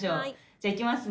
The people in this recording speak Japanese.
じゃあいきますね。